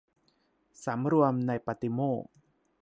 สำรวมในปาฏิโมกข์